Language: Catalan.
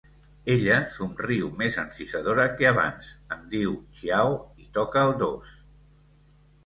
Ella somriu més encisadora que abans, em diu «ciao» i toca el dos.